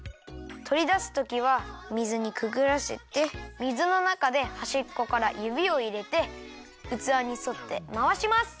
とりだすときは水にくぐらせて水のなかではしっこからゆびをいれてうつわにそってまわします。